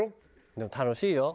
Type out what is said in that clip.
でも楽しいよ。